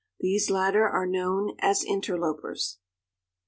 These latter are known as interlopers.